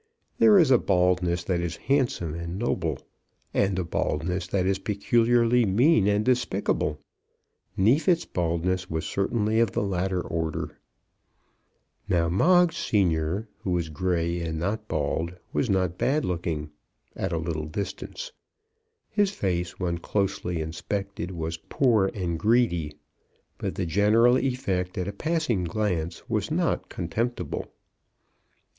There is a baldness that is handsome and noble, and a baldness that is peculiarly mean and despicable. Neefit's baldness was certainly of the latter order. Now Moggs senior, who was grey and not bald, was not bad looking, at a little distance. His face when closely inspected was poor and greedy, but the general effect at a passing glance was not contemptible.